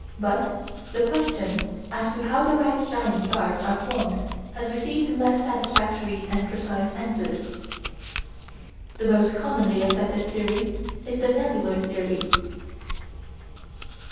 But the question as to how the red giant stars were formed has received less satisfactory and precise answers. The most commonly accepted theory is the nebular theory.